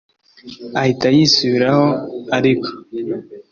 ahita yisubiraho, ariko